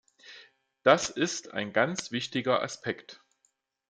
Das ist ein ganz wichtiger Aspekt.